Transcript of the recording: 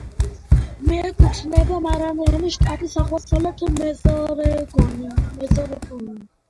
მიეკუთვნება მარანიანის შტატის აღმოსავლეთ მეზორეგიონს.